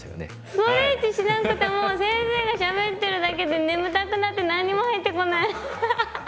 ストレッチしなくても先生がしゃべってるだけで眠たくなって何にも入ってこないアッハハ。